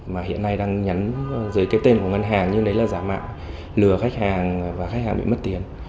mà hiện nay đang nhắn dưới cái tên của ngân hàng nhưng đấy là giả mạo lừa khách hàng và khách hàng bị mất tiền